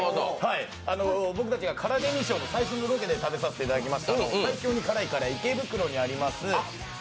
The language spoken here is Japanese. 僕たちがカラデミー賞の最新のロケで食べさせていただいた最強に辛いカレー、池袋にあります